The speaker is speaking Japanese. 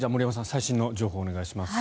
最新の情報をお願いします。